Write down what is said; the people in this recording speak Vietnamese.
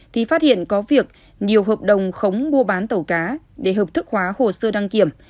thì phát hiện có việc nhiều hợp đồng khống mua bán tàu cá để hợp thức hóa hồ sơ đăng kiểm